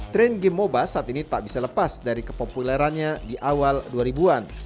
tren game moba saat ini tak bisa lepas dari kepopulerannya di awal dua ribu an